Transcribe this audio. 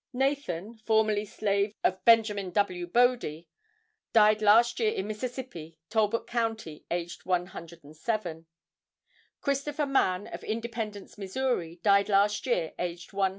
Nathan, formerly slave of Benj. W. Bodie, died last year in Mississippi, Talbot Co., aged 107. Christopher Mann, of Independence, Missouri, died last year, aged 111.